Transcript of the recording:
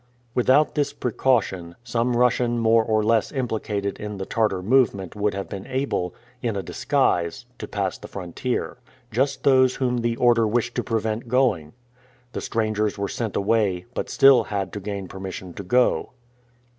Without this precaution, some Russian more or less implicated in the Tartar movement would have been able, in a disguise, to pass the frontier just those whom the order wished to prevent going. The strangers were sent away, but still had to gain permission to go.